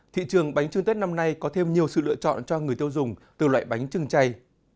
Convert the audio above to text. thị trường bánh trưng tết năm nay có thêm nhiều sự lựa chọn cho người tiêu dùng từ loại bánh trưng chay